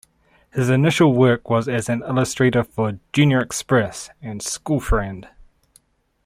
His initial work was as an illustrator for "Junior Express" and "School Friend".